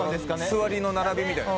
座りの並びみたいな。